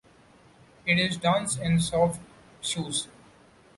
It is danced in soft shoes.